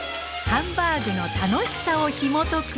ハンバーグの楽しさをひもとく